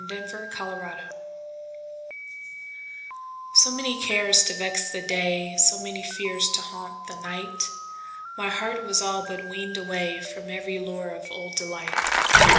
Summer Magic SO many cares to vex the day, So many fears to haunt the night, My heart was all but weaned awayFrom every lure of old delight.